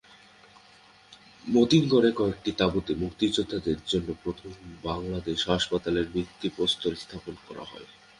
মতিনগরে কয়েকটি তাঁবুতে মুক্তিযোদ্ধাদের জন্য প্রথম বাংলাদেশ হাসপাতালের ভিত্তিপ্রস্তর স্থাপন করা হয়।